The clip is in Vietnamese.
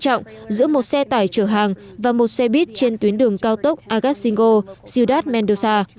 trọng giữa một xe tải chở hàng và một xe buýt trên tuyến đường cao tốc agatzingo ciudad mendoza